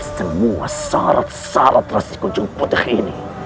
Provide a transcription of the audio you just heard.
semua syarat syarat rasikunjung putih ini